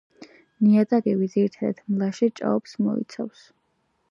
ნიადაგები ძირითადად მლაშე ჭაობებს მოიცავს.